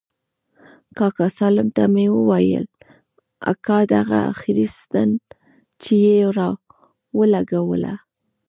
کاکا سالم ته مې وويل اكا دغه اخري ستن چې يې راولګوله.